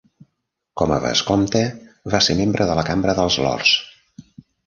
Com a vescomte, va ser membre de la Cambra dels Lords.